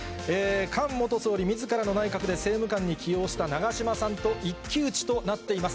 菅元総理みずからの内閣で政務官に起用した長島さんと一騎打ちとなっています。